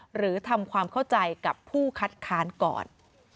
หรือทำความเข้าใจกับผู้คัดค้านก่อน